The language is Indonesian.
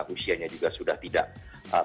usianya juga sudah tidak